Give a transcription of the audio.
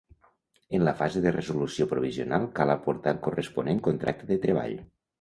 En la fase de resolució provisional cal aportar el corresponent contracte de treball.